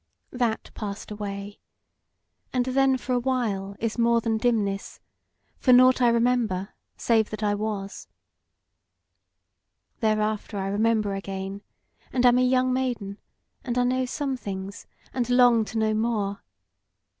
That passed away, and then for a while is more than dimness, for nought I remember save that I was. Thereafter I remember again, and am a young maiden, and I know some things, and long to know more.